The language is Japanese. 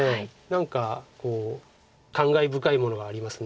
何かこう感慨深いものがあります。